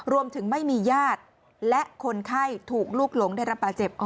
รวมถึงไม่มีญาติและคนไข้ถูกลูกหลงได้รับบาดเจ็บ